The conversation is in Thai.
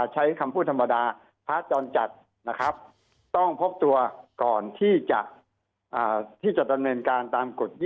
ใช้คำพูดธรรมดาพระจรจัดนะครับต้องพบตัวก่อนที่จะดำเนินการตามกฎ